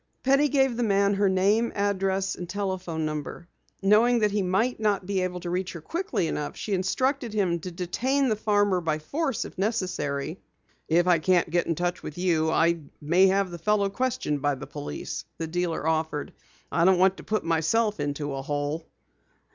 Penny gave the man her name, address, and telephone number. Knowing that he might not be able to reach her quickly enough, she instructed him to detain the farmer by force if necessary. "If I can't get in touch with you, I may have the fellow questioned by police," the dealer offered. "I don't want to put myself into a hole."